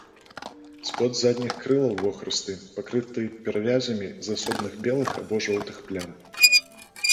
Спод задніх крылаў вохрысты, пакрыты перавязямі з асобных белых або жоўтых плям.